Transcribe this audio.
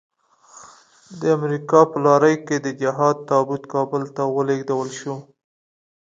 د امريکا په لارۍ کې د جهاد تابوت کابل ته ولېږدول شو.